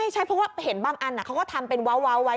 ใช่เพราะว่าเห็นบางอันเขาก็ทำเป็นว้าวไว้